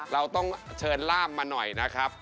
เราต้องเชิญล่ามมาหน่อยนะครับ